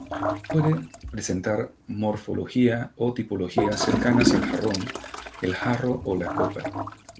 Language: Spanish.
Puede presentar morfología o tipología cercanas al jarrón, el jarro o la copa.